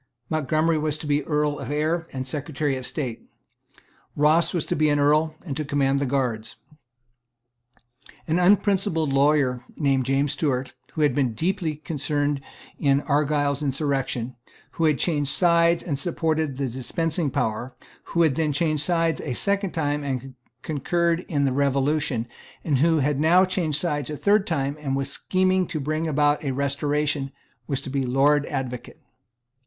Montgomery was to be Earl of Ayr and Secretary of State. Ross was to be an Earl and to command the guards. An unprincipled lawyer named James Stewart, who had been deeply concerned in Argyle's insurrection, who had changed sides and supported the dispensing power, who had then changed sides a second time and concurred in the Revolution, and who had now changed sides a third time and was scheming to bring about a Restoration, was to be Lord Advocate.